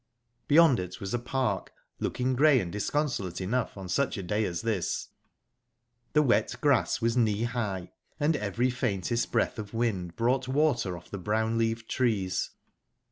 Beyond it was a park, looking grey and disconsolate enough on such a day as this; the wet grass was knee high, and every faintest breath of wind brought water off the brown leaved trees.